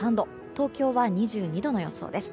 東京は２２度の予想です。